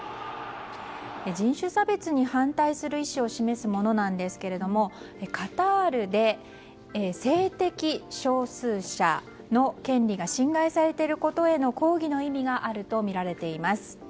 人種差別に反対する意思を示すものなんですがカタールで性的少数者の権利が侵害されていることへの抗議の意味があるとみられています。